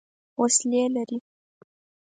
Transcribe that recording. وسلې لري.